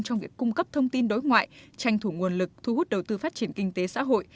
trong việc cung cấp thông tin đối ngoại tranh thủ nguồn lực thu hút đầu tư phát triển kinh tế xã hội